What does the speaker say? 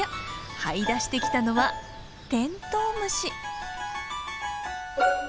はい出してきたのはテントウムシ。